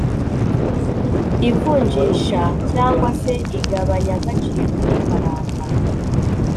ivunjisha cyangwa se igabanyagaciro ry’ifaranga